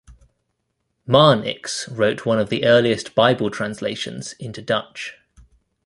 Marnix wrote one of the earliest Bible translations into Dutch.